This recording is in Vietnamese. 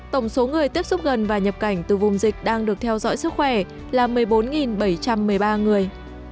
tổng số người tiếp xúc gần và nhập cảnh từ vùng dịch đang được theo dõi sức khỏe là một mươi bốn bảy trăm một mươi ba người